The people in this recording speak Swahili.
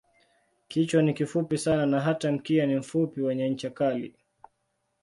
Kichwa ni kifupi sana na hata mkia ni mfupi wenye ncha kali.